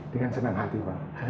dengan senang hati pak